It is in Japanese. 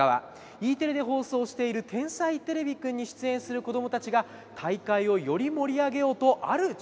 Ｅテレで放送している「天才てれびくん」に出演する子供たちが大会をより盛り上げようとある挑戦をしてくれました。